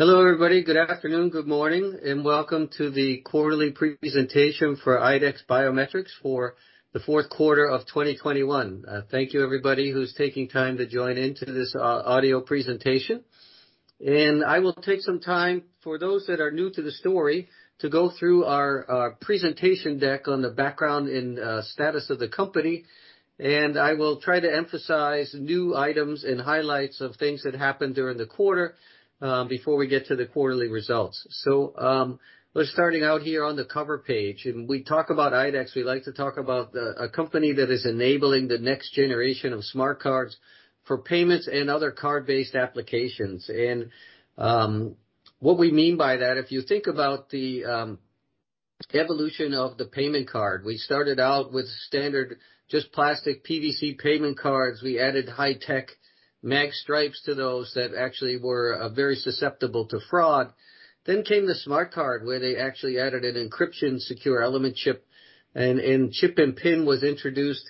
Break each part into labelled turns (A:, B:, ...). A: Hello everybody. Good afternoon, good morning, and welcome to the quarterly presentation for IDEX Biometrics for the 4th quarter of 2021. Thank you everybody who's taking time to join into this, audio presentation. I will take some time for those that are new to the story to go through our presentation deck on the background and status of the company. I will try to emphasize new items and highlights of things that happened during the quarter, before we get to the quarterly results. We're starting out here on the cover page, and we talk about IDEX. We like to talk about a company that is enabling the next generation of smart cards for payments and other card-based applications. What we mean by that, if you think about the evolution of the payment card. We started out with standard just plastic PVC payment cards. We added high tech mag stripes to those that actually were very susceptible to fraud. Came the smart card, where they actually added an encryption secure element chip and chip-and-PIN was introduced.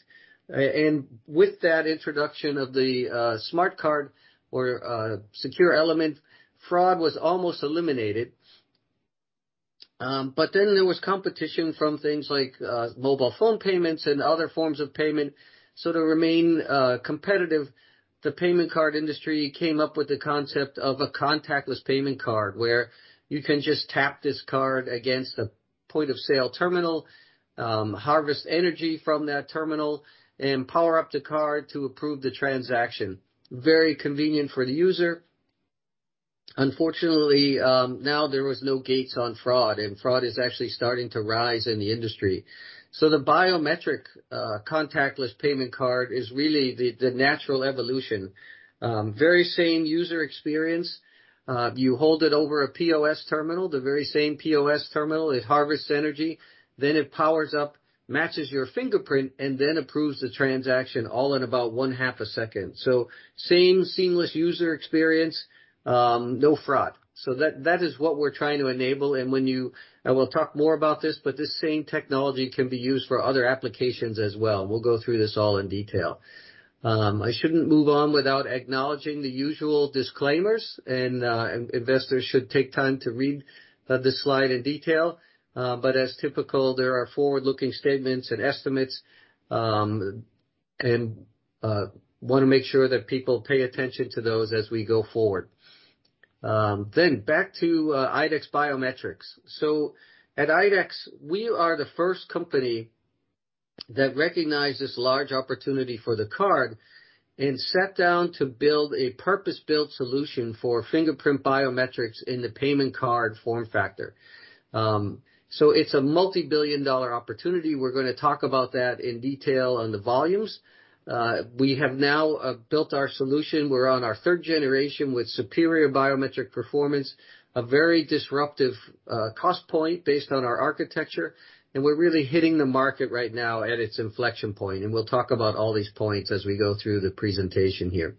A: With that introduction of the smart card or secure element, fraud was almost eliminated. There was competition from things like mobile phone payments and other forms of payment. To remain competitive, the payment card industry came up with the concept of a contactless payment card where you can just tap this card against a point-of-sale terminal, harvest energy from that terminal, and power up the card to approve the transaction. Very convenient for the user. Unfortunately, now there was no gates on fraud, and fraud is actually starting to rise in the industry. The biometric contactless payment card is really the natural evolution. Very same user experience. You hold it over a POS terminal, the very same POS terminal. It harvests energy, then it powers up, matches your fingerprint, and then approves the transaction all in about one half a second. Same seamless user experience, no fraud. That is what we're trying to enable. I will talk more about this, but this same technology can be used for other applications as well. We'll go through this all in detail. I shouldn't move on without acknowledging the usual disclaimers and investors should take time to read this slide in detail. But as is typical, there are forward-looking statements and estimates and wanna make sure that people pay attention to those as we go forward. Back to IDEX Biometrics. At IDEX, we are the first company that recognized this large opportunity for the card and sat down to build a purpose-built solution for fingerprint biometrics in the payment card form factor. It's a multi-billion dollar opportunity. We're gonna talk about that in detail on the volumes. We have now built our solution. We're on our third generation with superior biometric performance, a very disruptive cost point based on our architecture, and we're really hitting the market right now at its inflection point, and we'll talk about all these points as we go through the presentation here.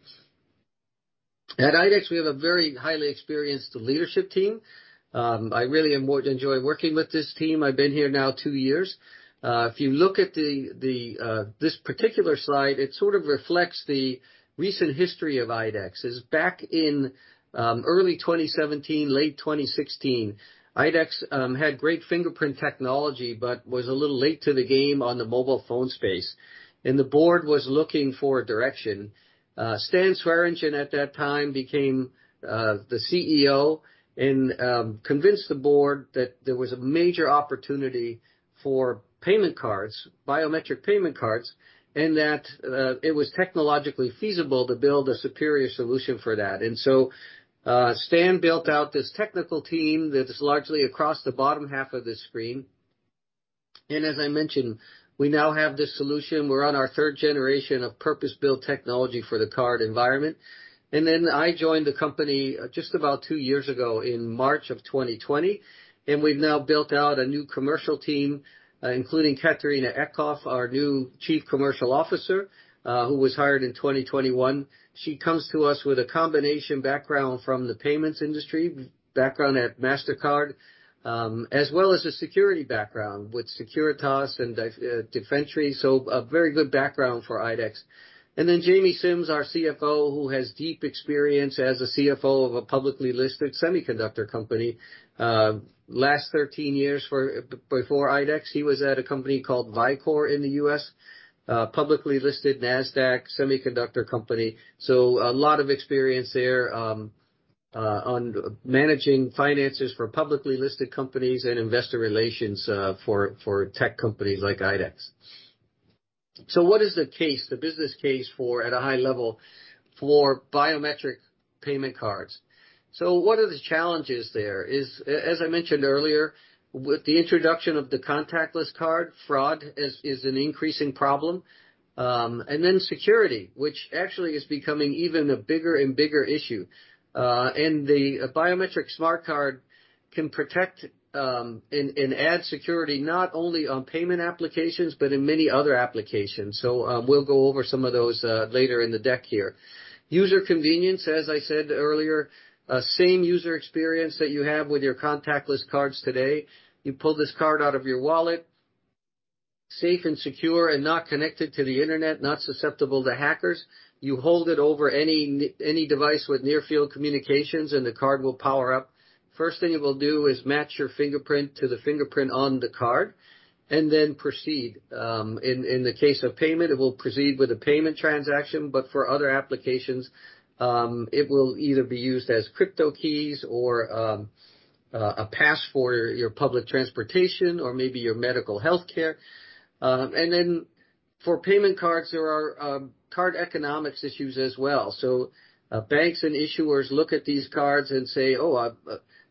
A: At IDEX, we have a very highly experienced leadership team. I really enjoy working with this team. I've been here now two years. If you look at this particular slide, it sort of reflects the recent history of IDEX. It was back in early 2017, late 2016, IDEX had great fingerprint technology but was a little late to the game on the mobile phone space, and the board was looking for direction. Stan Swearingin at that time became the CEO and convinced the board that there was a major opportunity for payment cards, biometric payment cards, and that it was technologically feasible to build a superior solution for that. Stan built out this technical team that is largely across the bottom half of this screen. As I mentioned, we now have this solution. We're on our third generation of purpose-built technology for the card environment. I joined the company just about two years ago in March of 2020, and we've now built out a new commercial team, including Catharina Eklöf, our new Chief Commercial Officer, who was hired in 2021. She comes to us with a combination background from the payments industry, background at Mastercard, as well as a security background with Securitas and Defentry. A very good background for IDEX. James A. Simms, our CFO, who has deep experience as a CFO of a publicly listed semiconductor company. Last 13 years before IDEX, he was at a company called Vicor in the U.S., a publicly listed Nasdaq semiconductor company. A lot of experience there, on managing finances for publicly listed companies and investor relations, for tech companies like IDEX. What is the case, the business case for, at a high level, for biometric payment cards? What are the challenges there? As I mentioned earlier, with the introduction of the contactless card, fraud is an increasing problem. Security, which actually is becoming even a bigger and bigger issue. The biometric smart card can protect and add security not only on payment applications but in many other applications. We'll go over some of those later in the deck here. User convenience, as I said earlier, same user experience that you have with your contactless cards today. You pull this card out of your wallet. Safe and secure and not connected to the internet, not susceptible to hackers. You hold it over any device with near-field communications, and the card will power up. First thing it will do is match your fingerprint to the fingerprint on the card and then proceed. In the case of payment, it will proceed with a payment transaction, but for other applications, it will either be used as crypto keys or a pass for your public transportation or maybe your medical health care. For payment cards, there are card economics issues as well. Banks and issuers look at these cards and say, "Oh,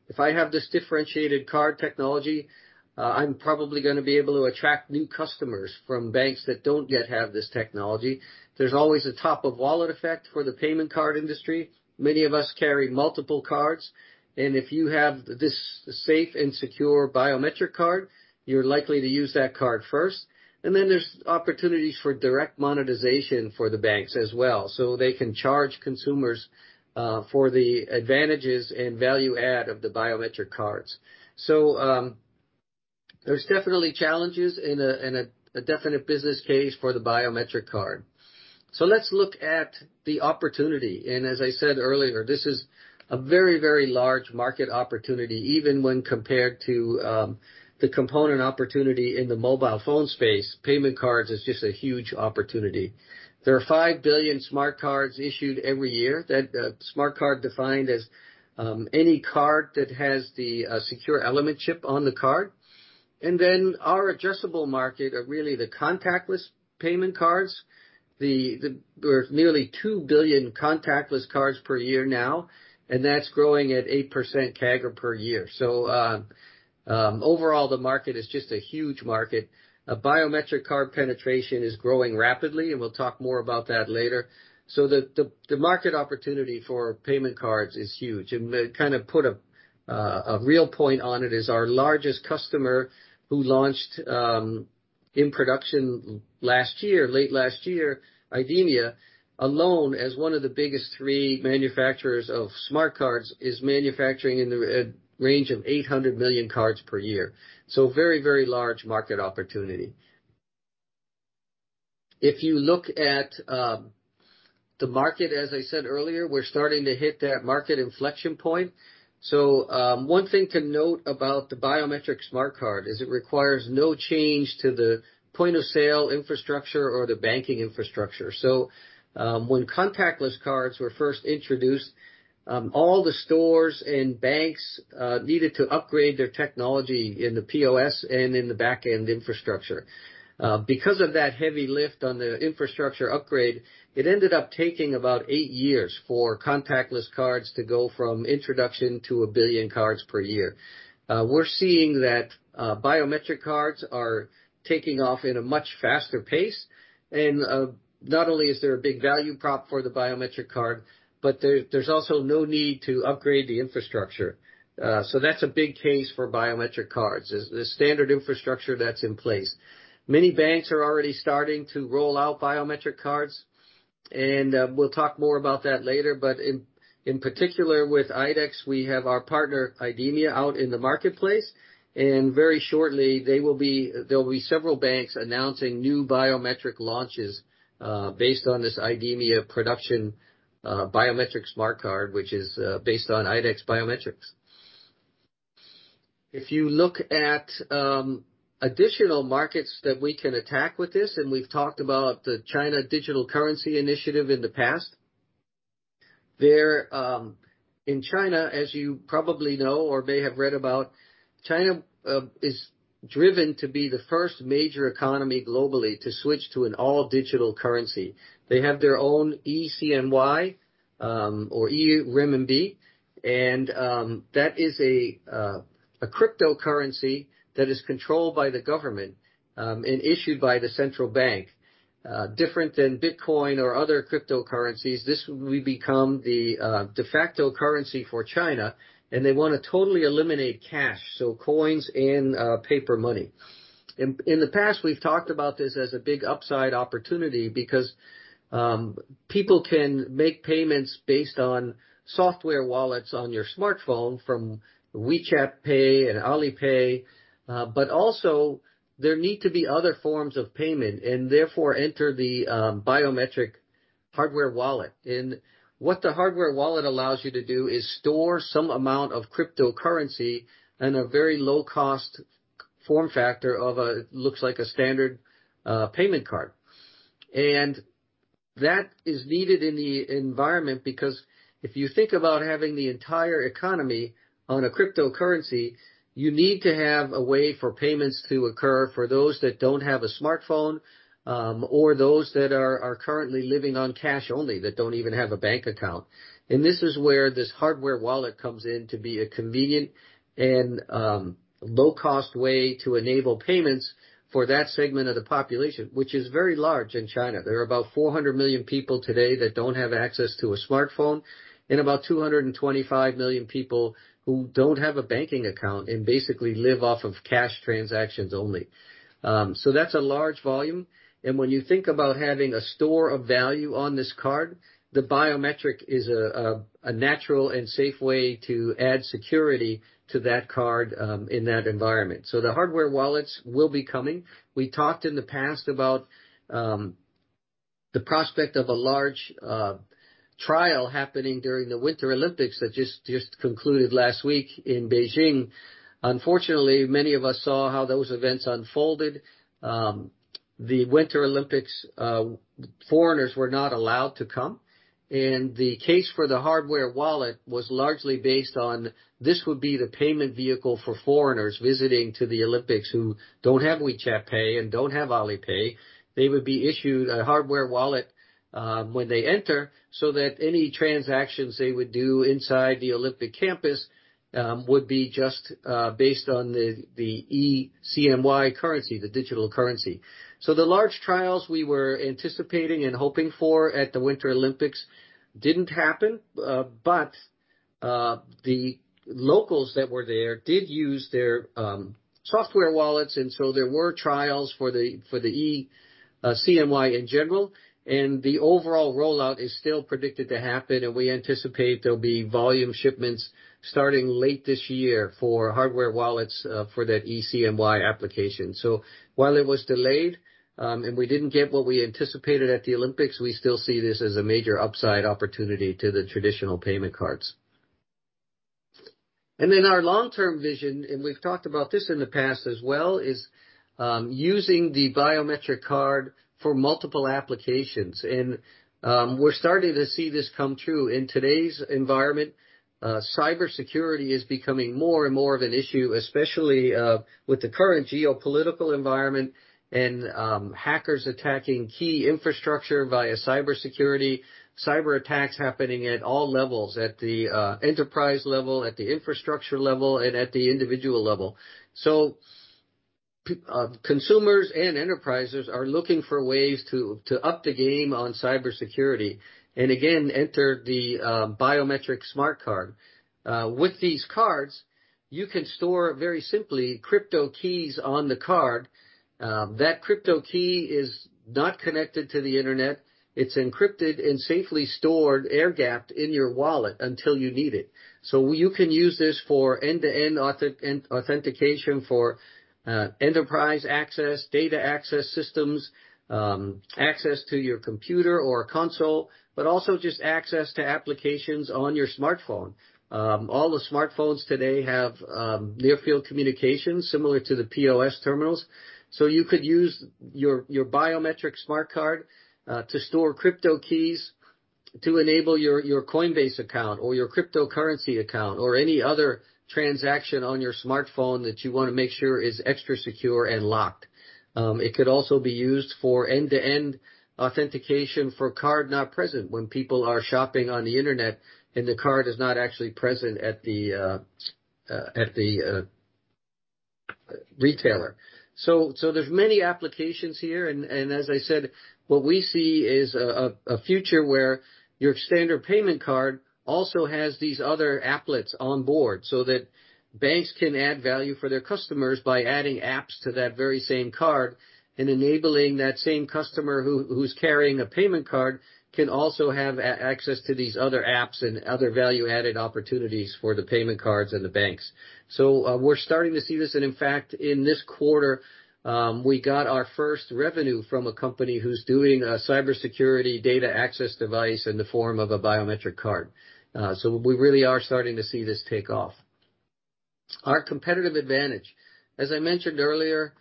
A: if I have this differentiated card technology, I'm probably gonna be able to attract new customers from banks that don't yet have this technology." There's always a top-of-wallet effect for the payment card industry. Many of us carry multiple cards, and if you have this safe and secure biometric card, you're likely to use that card first. Then there's opportunities for direct monetization for the banks as well, so they can charge consumers for the advantages and value add of the biometric cards. There's definitely challenges and a definite business case for the biometric card. Let's look at the opportunity. As I said earlier, this is a very large market opportunity, even when compared to the component opportunity in the mobile phone space. Payment cards is just a huge opportunity. There are 5 billion smart cards issued every year. That smart card defined as any card that has the secure element chip on the card. Then our addressable market are really the contactless payment cards. There are nearly 2 billion contactless cards per year now, and that's growing at 8% CAGR per year. Overall, the market is just a huge market. A biometric card penetration is growing rapidly, and we'll talk more about that later. The market opportunity for payment cards is huge, and to kind of put a real point on it is our largest customer who launched in production last year, late last year, IDEMIA, alone, as one of the biggest three manufacturers of smart cards, is manufacturing in the range of 800 million cards per year. A very large market opportunity. If you look at the market, as I said earlier, we're starting to hit that market inflection point. One thing to note about the biometric smart card is it requires no change to the point-of-sale infrastructure or the banking infrastructure. When contactless cards were first introduced, all the stores and banks needed to upgrade their technology in the POS and in the back-end infrastructure. Because of that heavy lift on the infrastructure upgrade, it ended up taking about eight years for contactless cards to go from introduction to billion cards per year. We're seeing that biometric cards are taking off in a much faster pace. Not only is there a big value prop for the biometric card, but there's also no need to upgrade the infrastructure. That's a big case for biometric cards is the standard infrastructure that's in place. Many banks are already starting to roll out biometric cards, and we'll talk more about that later. In particular with IDEX, we have our partner, IDEMIA, out in the marketplace. Very shortly, there'll be several banks announcing new biometric launches, based on this IDEMIA production, biometric smart card, which is based on IDEX Biometrics. If you look at additional markets that we can attack with this, and we've talked about the China Digital Currency Initiative in the past. In China, as you probably know or may have read about, China is driven to be the first major economy globally to switch to an all-digital currency. They have their own e-CNY or e-Renminbi, and that is a cryptocurrency that is controlled by the government and issued by the central bank. Different than Bitcoin or other cryptocurrencies, this will become the de facto currency for China, and they wanna totally eliminate cash, so coins and paper money. In the past, we've talked about this as a big upside opportunity because people can make payments based on software wallets on your smartphone from WeChat Pay and Alipay. Also there need to be other forms of payment and therefore enter the biometric hardware wallet. What the hardware wallet allows you to do is store some amount of cryptocurrency in a very low cost form factor looks like a standard payment card. That is needed in the environment because if you think about having the entire economy on a cryptocurrency, you need to have a way for payments to occur for those that don't have a smartphone or those that are currently living on cash only, that don't even have a bank account. This is where this hardware wallet comes in to be a convenient and low-cost way to enable payments for that segment of the population, which is very large in China. There are about 400 million people today that don't have access to a smartphone and about 225 million people who don't have a banking account and basically live off of cash transactions only. That's a large volume. When you think about having a store of value on this card, the biometric is a natural and safe way to add security to that card in that environment. The hardware wallets will be coming. We talked in the past about the prospect of a large trial happening during the Winter Olympics that just concluded last week in Beijing. Unfortunately, many of us saw how those events unfolded. At the Winter Olympics, foreigners were not allowed to come, and the case for the hardware wallet was largely based on this would be the payment vehicle for foreigners visiting the Olympics who don't have WeChat Pay and don't have Alipay. They would be issued a hardware wallet when they enter, so that any transactions they would do inside the Olympic campus would be just based on the e-CNY currency, the digital currency. The large trials we were anticipating and hoping for at the Winter Olympics didn't happen, but the locals that were there did use their software wallets, and so there were trials for the e-CNY in general. The overall rollout is still predicted to happen, and we anticipate there'll be volume shipments starting late this year for hardware wallets, for that e-CNY application. While it was delayed, and we didn't get what we anticipated at the Olympics, we still see this as a major upside opportunity to the traditional payment cards. Our long-term vision, and we've talked about this in the past as well, is using the biometric card for multiple applications. We're starting to see this come true. In today's environment, cybersecurity is becoming more and more of an issue, especially with the current geopolitical environment and hackers attacking key infrastructure via cybersecurity, cyberattacks happening at all levels, at the enterprise level, at the infrastructure level, and at the individual level. Consumers and enterprises are looking for ways to up the game on cybersecurity. Again, enter the biometric smart card. With these cards, you can store very simply crypto keys on the card. That crypto key is not connected to the Internet. It's encrypted and safely stored air-gapped in your wallet until you need it. You can use this for end-to-end authentication for enterprise access, data access systems, access to your computer or console, but also just access to applications on your smartphone. All the smartphones today have near-field communications similar to the POS terminals. You could use your biometric smart card to store crypto keys to enable your Coinbase account or your cryptocurrency account or any other transaction on your smartphone that you wanna make sure is extra secure and locked. It could also be used for end-to-end authentication for card-not-present when people are shopping on the Internet and the card is not actually present at the retailer. There's many applications here and as I said, what we see is a future where your standard payment card also has these other applets on board, so that banks can add value for their customers by adding apps to that very same card and enabling that same customer who's carrying a payment card can also have access to these other apps and other value-added opportunities for the payment cards and the banks. We're starting to see this, and in fact, in this quarter, we got our first revenue from a company who's doing a cybersecurity data access device in the form of a biometric card. We really are starting to see this take off. Our competitive advantage. As I mentioned earlier,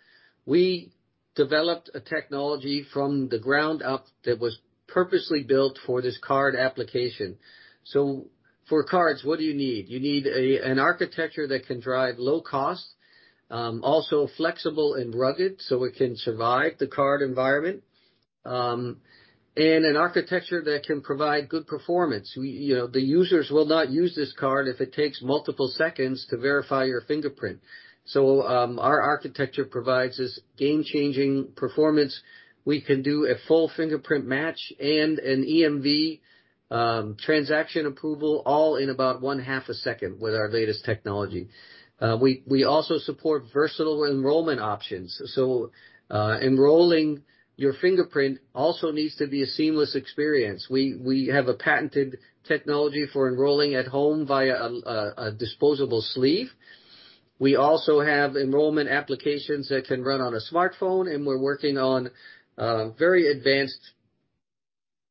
A: we developed a technology from the ground up that was purposely built for this card application. For cards, what do you need? You need an architecture that can drive low cost, also flexible and rugged, so it can survive the card environment, and an architecture that can provide good performance. You know, the users will not use this card if it takes multiple seconds to verify your fingerprint. Our architecture provides this game-changing performance. We can do a full fingerprint match and an EMV transaction approval all in about one half a second with our latest technology. We also support versatile enrollment options. Enrolling your fingerprint also needs to be a seamless experience. We have a patented technology for enrolling at home via a disposable sleeve. We also have enrollment applications that can run on a smartphone, and we're working on very advanced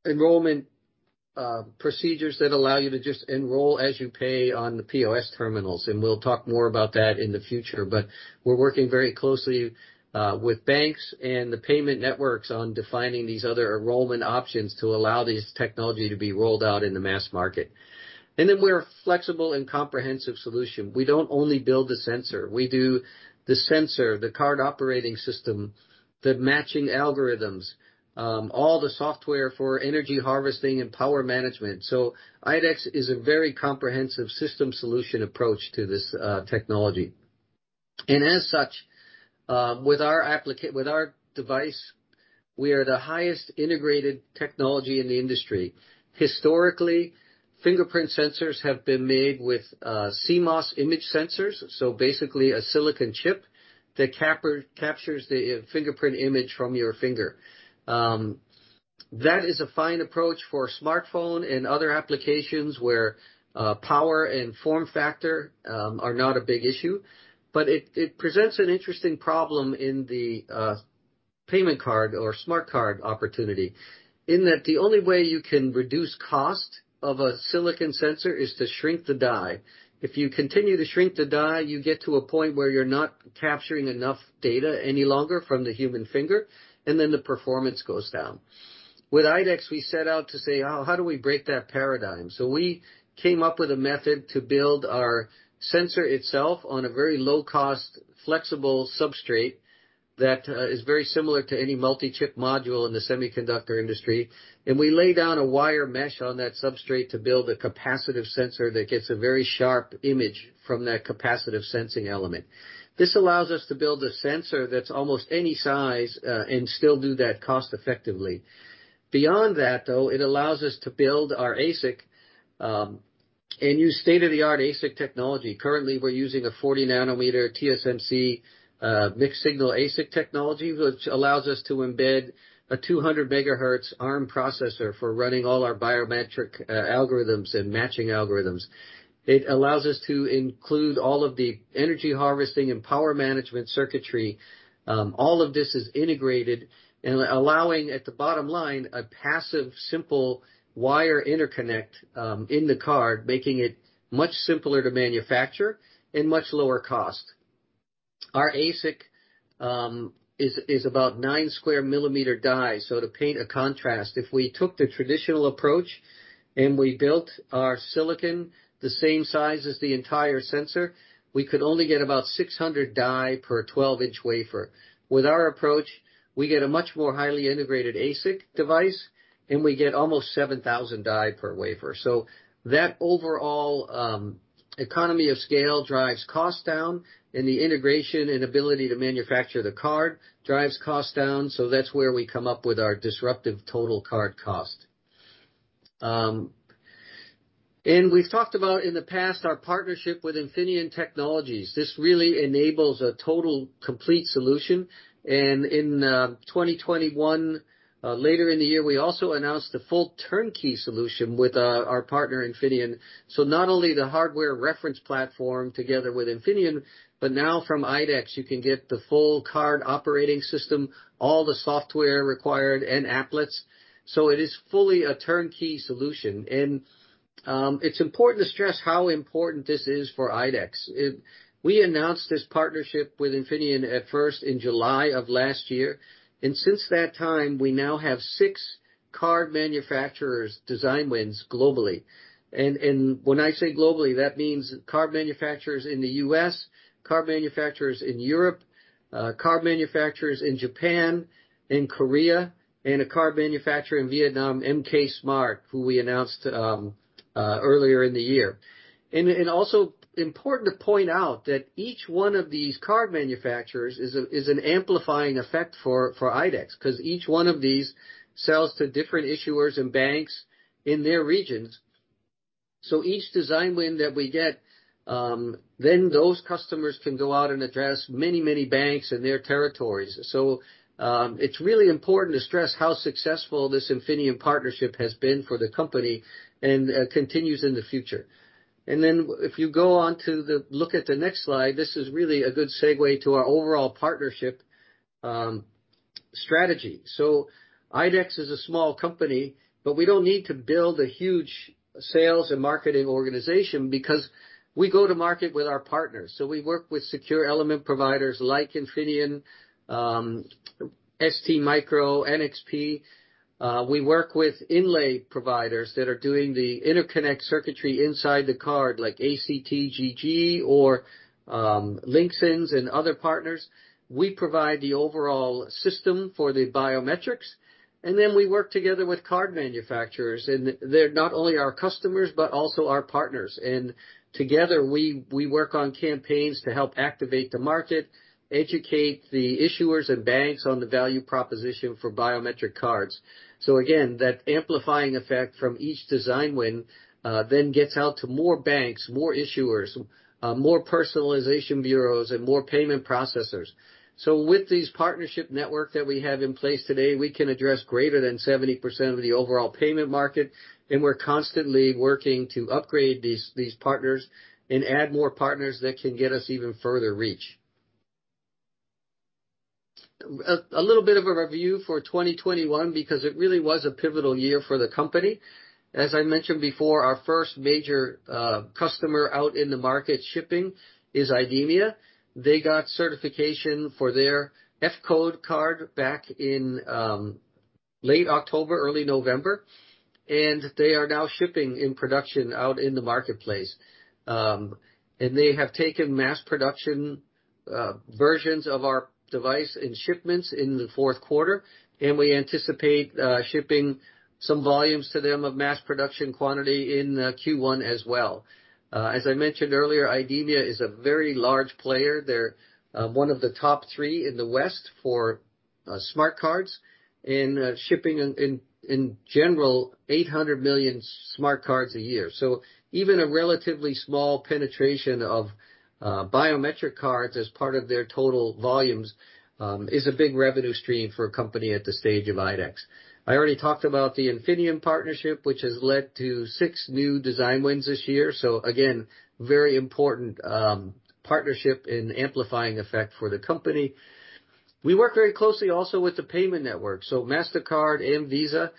A: enrollment procedures that allow you to just enroll as you pay on the POS terminals, and we'll talk more about that in the future. We're working very closely with banks and the payment networks on defining these other enrollment options to allow this technology to be rolled out in the mass market. Then we're a flexible and comprehensive solution. We don't only build the sensor. We do the sensor, the card operating system, the matching algorithms, all the software for energy harvesting and power management. IDEX is a very comprehensive system solution approach to this technology. As such, with our device, we are the highest integrated technology in the industry. Historically, fingerprint sensors have been made with CMOS image sensors, so basically a silicon chip that captures the fingerprint image from your finger. That is a fine approach for a smartphone and other applications where power and form factor are not a big issue, but it presents an interesting problem in the payment card or smart card opportunity in that the only way you can reduce cost of a silicon sensor is to shrink the die. If you continue to shrink the die, you get to a point where you're not capturing enough data any longer from the human finger, and then the performance goes down. With IDEX, we set out to say, "Oh, how do we break that paradigm?" We came up with a method to build our sensor itself on a very low cost, flexible substrate that is very similar to any multi-chip module in the semiconductor industry. We lay down a wire mesh on that substrate to build a capacitive sensor that gets a very sharp image from that capacitive sensing element. This allows us to build a sensor that's almost any size and still do that cost effectively. Beyond that, though, it allows us to build our ASIC and use state-of-the-art ASIC technology. Currently, we're using a 40 nanometer TSMC mixed signal ASIC technology, which allows us to embed a 200 MHz ARM processor for running all our biometric algorithms and matching algorithms. It allows us to include all of the energy harvesting and power management circuitry. All of this is integrated and allowing at the bottom line, a passive simple wire interconnect, in the card, making it much simpler to manufacture and much lower cost. Our ASIC is about 9 sq mm die. To paint a contrast, if we took the traditional approach and we built our silicon the same size as the entire sensor, we could only get about 600 die per 12 in wafer. With our approach, we get a much more highly integrated ASIC device, and we get almost 7,000 die per wafer. That overall, economy of scale drives cost down, and the integration and ability to manufacture the card drives cost down, so that's where we come up with our disruptive total card cost. We've talked about in the past our partnership with Infineon Technologies. This really enables a total complete solution. In 2021, later in the year, we also announced the full turnkey solution with our partner, Infineon. Not only the hardware reference platform together with Infineon, but now from IDEX, you can get the full card operating system, all the software required and applets. It is fully a turnkey solution. It's important to stress how important this is for IDEX. We announced this partnership with Infineon at first in July of last year, and since that time, we now have six card manufacturers design wins globally. When I say globally, that means card manufacturers in the U.S., card manufacturers in Europe, card manufacturers in Japan and Korea, and a card manufacturer in Vietnam, MK Smart, who we announced earlier in the year. It is also important to point out that each one of these card manufacturers is an amplifying effect for IDEX, 'cause each one of these sells to different issuers and banks in their regions. Each design win that we get, then those customers can go out and address many, many banks in their territories. It is really important to stress how successful this Infineon partnership has been for the company and continues in the future. If you go on to the next slide, this is really a good segue to our overall partnership strategy. IDEX is a small company, but we don't need to build a huge sales and marketing organization because we go to market with our partners. We work with secure element providers like Infineon, STMicro, NXP. We work with inlay providers that are doing the interconnect circuitry inside the card, like ACTGG or, Linxens and other partners. We provide the overall system for the biometrics, and then we work together with card manufacturers, and they're not only our customers, but also our partners. Together, we work on campaigns to help activate the market, educate the issuers and banks on the value proposition for biometric cards. Again, that amplifying effect from each design win, then gets out to more banks, more issuers, more personalization bureaus and more payment processors. With this partnership network that we have in place today, we can address greater than 70% of the overall payment market, and we're constantly working to upgrade these partners and add more partners that can get us even further reach. A little bit of a review for 2021 because it really was a pivotal year for the company. As I mentioned before, our first major customer out in the market shipping is IDEMIA. They got certification for their F.CODE card back in late October, early November, and they are now shipping in production out in the marketplace. And they have taken mass production versions of our device and shipments in the 4th quarter, and we anticipate shipping some volumes to them of mass production quantity in Q1 as well. As I mentioned earlier, IDEMIA is a very large player. They're one of the top three in the West for smart cards and shipping in general 800 million smart cards a year. Even a relatively small penetration of biometric cards as part of their total volumes is a big revenue stream for a company at the stage of IDEX. I already talked about the Infineon partnership, which has led to six new design wins this year. Again, very important partnership and amplifying effect for the company. We work very closely also with the payment network, so Mastercard and Visa.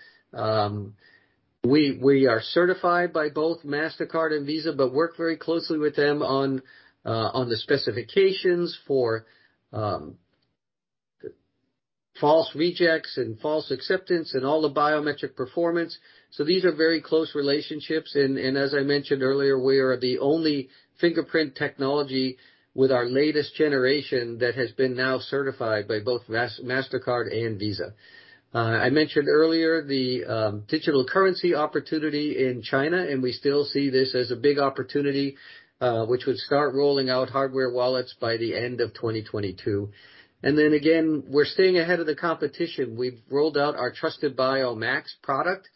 A: We are certified by both Mastercard and Visa, but work very closely with them on the specifications for false rejects and false acceptance and all the biometric performance. These are very close relationships. As I mentioned earlier, we are the only fingerprint technology with our latest generation that has been now certified by both Mastercard and Visa. I mentioned earlier the digital currency opportunity in China, and we still see this as a big opportunity, which would start rolling out hardware wallets by the end of 2022. Then again, we're staying ahead of the competition. We've rolled out our TrustedBio Max product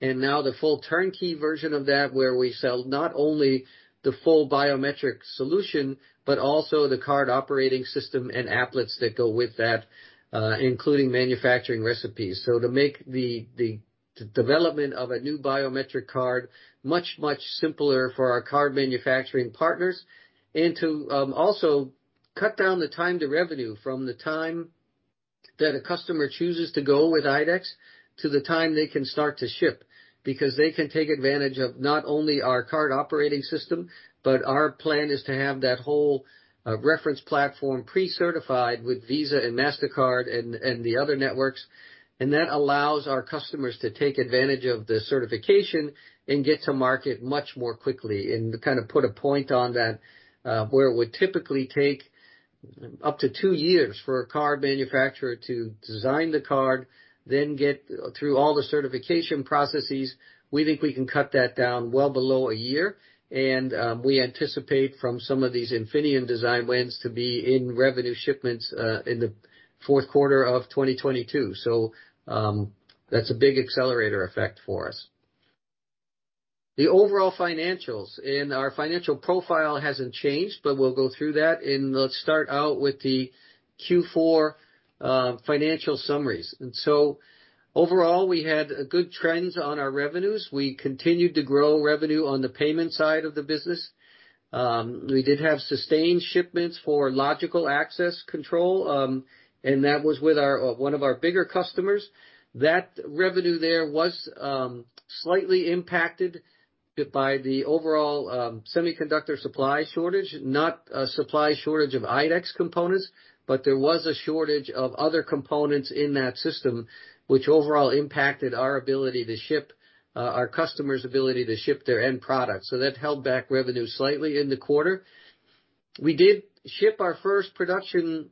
A: and now the full turnkey version of that, where we sell not only the full biometric solution, but also the card operating system and applets that go with that, including manufacturing recipes. To make the development of a new biometric card much, much simpler for our card manufacturing partners and to also cut down the time to revenue from the time that a customer chooses to go with IDEX to the time they can start to ship, because they can take advantage of not only our card operating system, but our plan is to have that whole reference platform pre-certified with Visa and Mastercard and the other networks. That allows our customers to take advantage of the certification and get to market much more quickly and to kind of put a point on that, where it would typically take up to two years for a card manufacturer to design the card, then get through all the certification processes. We think we can cut that down well below a year. We anticipate from some of these Infineon design wins to be in revenue shipments in the 4th quarter of 2022. That's a big accelerator effect for us. The overall financials and our financial profile hasn't changed, but we'll go through that. Let's start out with the Q4 financial summaries. Overall, we had good trends on our revenues. We continued to grow revenue on the payment side of the business. We did have sustained shipments for logical access control, and that was with our one of our bigger customers. That revenue there was slightly impacted by the overall semiconductor supply shortage, not a supply shortage of IDEX components, but there was a shortage of other components in that system which overall impacted our customers' ability to ship their end product. That held back revenue slightly in the quarter. We did ship our first production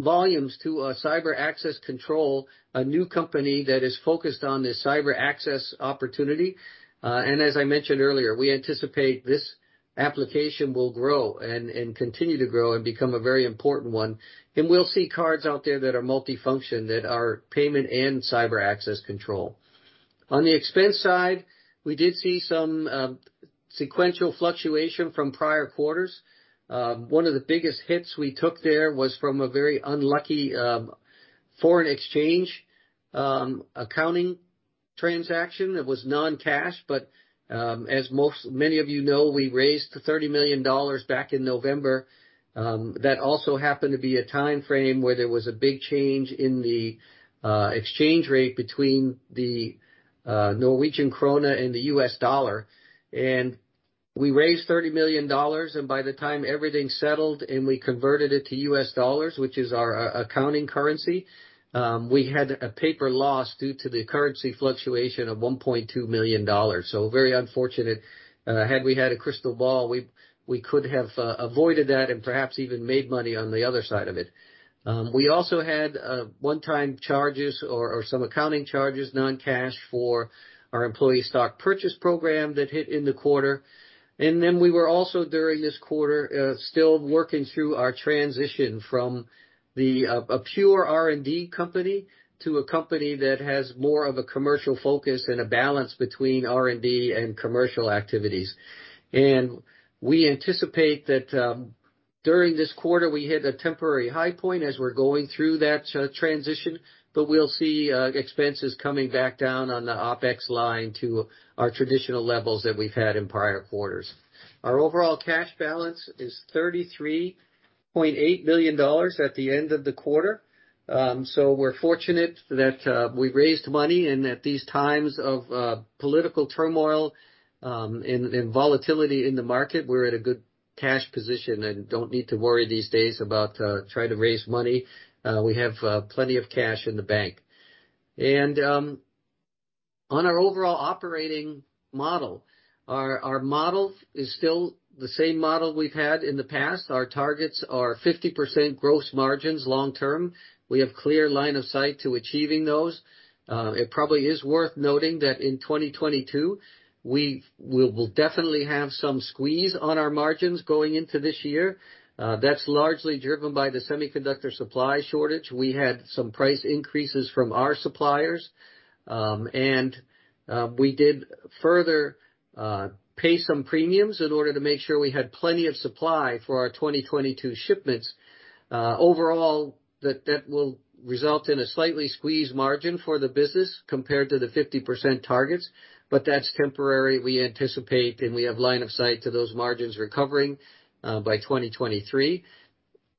A: volumes to Cyber Access Control, a new company that is focused on this cyber access opportunity. As I mentioned earlier, we anticipate this application will grow and continue to grow and become a very important one. We'll see cards out there that are multifunction, that are payment and Cyber Access Control. On the expense side, we did see some sequential fluctuation from prior quarters. One of the biggest hits we took there was from a very unlucky foreign exchange accounting transaction that was non-cash. As many of you know, we raised $30 million back in November. That also happened to be a time frame where there was a big change in the exchange rate between the Norwegian krone and the US dollar. We raised $30 million, and by the time everything settled and we converted it to U.S. dollars, which is our accounting currency, we had a paper loss due to the currency fluctuation of $1.2 million. Very unfortunate. Had we had a crystal ball, we could have avoided that and perhaps even made money on the other side of it. We also had one-time charges or some accounting charges, non-cash, for our employee stock purchase program that hit in the quarter. We were also during this quarter still working through our transition from a pure R&D company to a company that has more of a commercial focus and a balance between R&D and commercial activities. We anticipate that during this quarter, we hit a temporary high point as we're going through that transition, but we'll see expenses coming back down on the OpEx line to our traditional levels that we've had in prior quarters. Our overall cash balance is $33.8 million at the end of the quarter. We're fortunate that we raised money and at these times of political turmoil and volatility in the market, we're at a good cash position and don't need to worry these days about trying to raise money. We have plenty of cash in the bank. On our overall operating model, our model is still the same model we've had in the past. Our targets are 50% gross margins long-term. We have clear line of sight to achieving those. It probably is worth noting that in 2022 we will definitely have some squeeze on our margins going into this year. That's largely driven by the semiconductor supply shortage. We had some price increases from our suppliers, and we did further pay some premiums in order to make sure we had plenty of supply for our 2022 shipments. Overall, that will result in a slightly squeezed margin for the business compared to the 50% targets, but that's temporary. We anticipate, and we have line of sight to those margins recovering by 2023.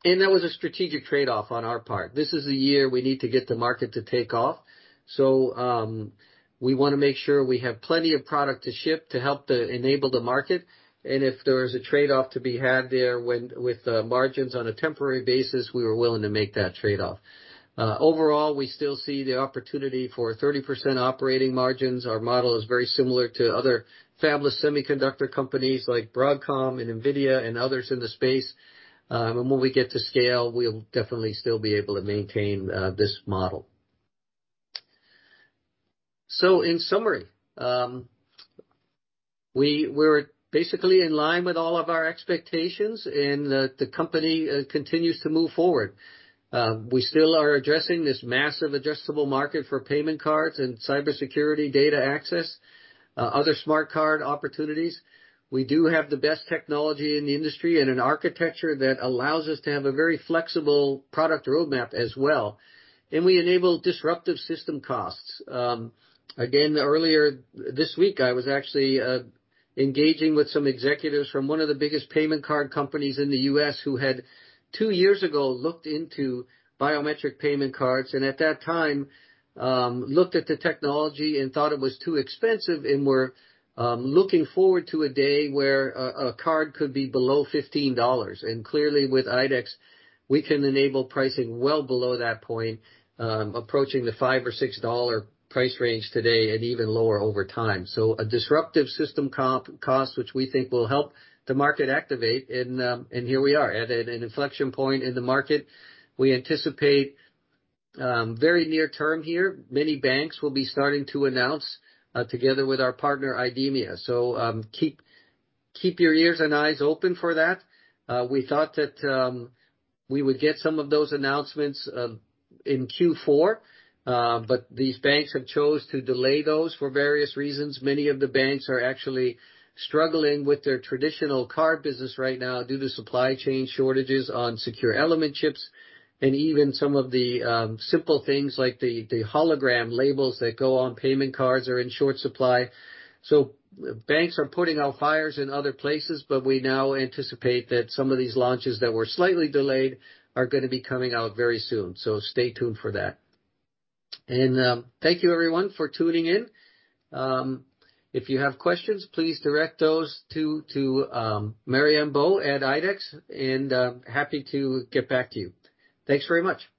A: That was a strategic trade-off on our part. This is the year we need to get the market to take off. We wanna make sure we have plenty of product to ship to help enable the market. If there is a trade-off to be had there with the margins on a temporary basis, we were willing to make that trade-off. Overall, we still see the opportunity for 30% operating margins. Our model is very similar to other fabless semiconductor companies like Broadcom and NVIDIA and others in the space. When we get to scale, we'll definitely still be able to maintain this model. In summary, we're basically in line with all of our expectations and the company continues to move forward. We still are addressing this massive addressable market for payment cards and cybersecurity data access, other smart card opportunities. We do have the best technology in the industry and an architecture that allows us to have a very flexible product roadmap as well. We enable disruptive system costs. Again, earlier this week, I was actually engaging with some executives from one of the biggest payment card companies in the U.S. who had, two years ago, looked into biometric payment cards, and at that time, looked at the technology and thought it was too expensive and were looking forward to a day where a card could be below $15. Clearly, with IDEX, we can enable pricing well below that point, approaching the $5 or $6 price range today and even lower over time. A disruptive system cost, which we think will help the market activate and here we are at an inflection point in the market. We anticipate very near term here, many banks will be starting to announce together with our partner, IDEMIA. Keep your ears and eyes open for that. We thought that we would get some of those announcements in Q4, but these banks have chosen to delay those for various reasons. Many of the banks are actually struggling with their traditional card business right now due to supply chain shortages on secure element chips, and even some of the simple things like the hologram labels that go on payment cards are in short supply. Banks are putting out fires in other places, but we now anticipate that some of these launches that were slightly delayed are gonna be coming out very soon. Stay tuned for that. Thank you everyone for tuning in. If you have questions, please direct those to Marianne Bøe at IDEX, and happy to get back to you. Thanks very much.